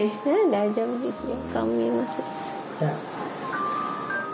大丈夫ですよ。